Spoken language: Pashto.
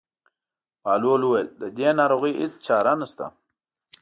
بهلول وویل: د دې ناروغۍ هېڅ چاره نشته.